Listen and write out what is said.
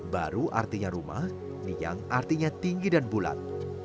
baru artinya rumah niang artinya tinggi dan bulat